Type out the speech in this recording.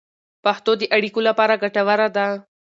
پښتو د اړیکو لپاره ګټوره ده.